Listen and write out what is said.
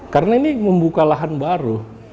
karena ini membuka lahan baru